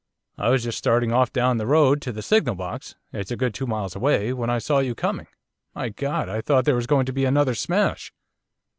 I was just starting off down the road to the signal box, it's a good two miles away, when I saw you coming. My God! I thought there was going to be another smash.